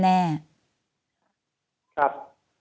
ครับ